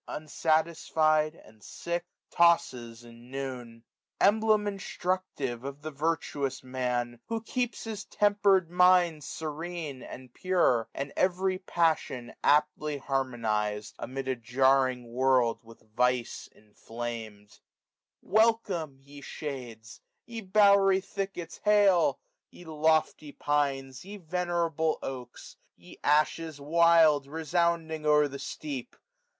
Unsatisfied, and sick, tosses in noon. Emblem instructive of the virtuous Man, 465 Who keeps his temper^ mind serene, and pure ; And eveary passion aptly harmoniz'd. Amid a jarring world with vice inflamM. WfiLCOM£, ye shades ! ye bowery thickets hail ! Ye lofty fiats ! ye venerable oaks ! 470 Ye ashes wild, resounding o'er the steq) !